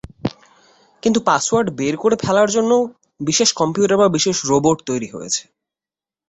কিন্তু পাসওয়ার্ড বের করে ফেলার জন্য বিশেষ কম্পিউটার বা বিশেষ রোবট তৈরী হয়েছে।